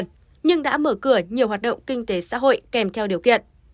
nhưng đã mở cửa nhiều hoạt động kinh tế xã hội kèm theo điều kiện